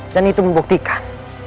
dan itu membuktikan